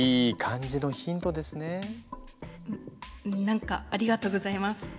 何かありがとうございます。